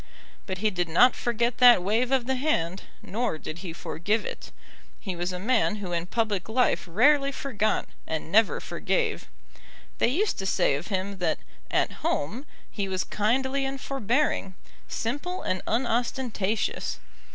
But he did not forget that wave of the hand, nor did he forgive it. He was a man who in public life rarely forgot, and never forgave. They used to say of him that "at home" he was kindly and forbearing, simple and unostentatious.